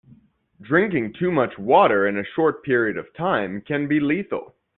Drinking too much water in a short period of time can be lethal.